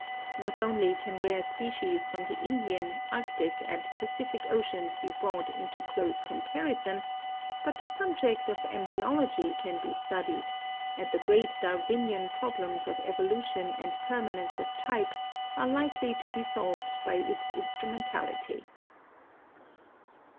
Not only can rare species from the Indian, Arctic, and Pacific oceans be brought into close comparison, but the subject WOMAN AS AN INVENTOR. 487 of embryology can be studied, and the great Darwinian problems of evolution and permanence of type are likely to be solved by its instrumentality.